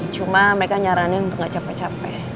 cuma mereka nyaranin untuk gak capek capek